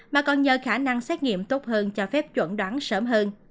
mà còn nhờ khả năng xét nghiệm tốt hơn cho phép chuẩn đoán sớm hơn